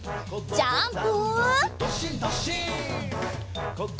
ジャンプ！